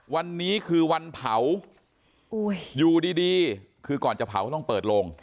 วันนี้คือวันเผาอยู่ดีคือก่อนจะเผาก็ต้องเปิดโลง